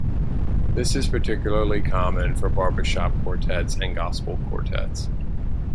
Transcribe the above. This is particularly common for barbershop quartets and Gospel quartets.